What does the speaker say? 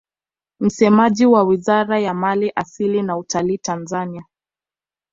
Msemaji wa Wizara ya mali asili na utalii Tanzania